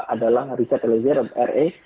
adalah riset eliezer dan ra